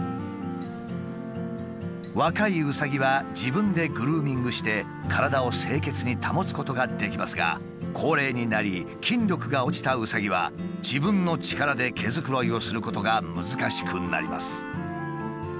若いうさぎは自分でグルーミングして体を清潔に保つことができますが高齢になり筋力が落ちたうさぎは自分の力で毛づくろいをすることが難しくなります。